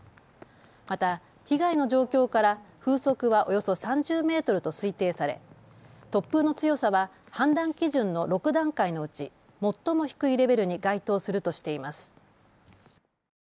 また被害の状況から風速はおよそ３０メートルと推定され突風の強さは判断基準の６段階のうち最も低いレベルに該当するとしています。